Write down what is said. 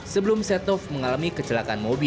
sebelum setnov mengalami kecelakaan mobil